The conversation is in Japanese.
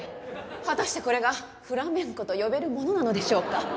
果たしてこれがフラメンコと呼べるものなのでしょうか？